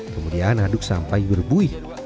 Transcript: kemudian aduk sampai berbuih